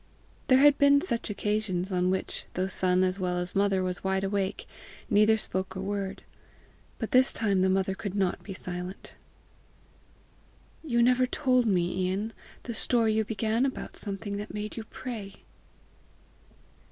There had been such occasions on which, though son as well as mother was wide awake, neither spoke a word; but this time the mother could not be silent. "You never told me, Ian, the story you began about something that made you pray!"